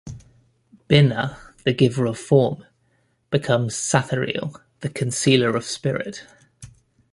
Binah, the giver of form, becomes Sathariel, the concealer of spirit.